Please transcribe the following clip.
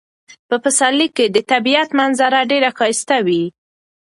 په پسرلي کې د طبیعت منظره ډیره ښایسته وي.